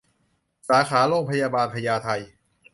สาขาโรงพยาบาลพญาไท